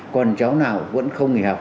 còn cháu nào vẫn không nghỉ học